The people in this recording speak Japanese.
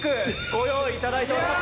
ご用意いただいております！